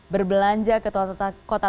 berbelanja ke kota